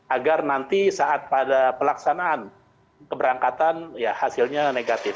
agar nanti saat pada pelaksanaan keberangkatan ya hasilnya negatif